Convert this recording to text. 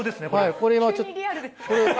これはちょっと。